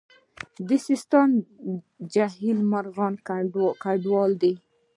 د سیستان جهیل مرغان کډوال دي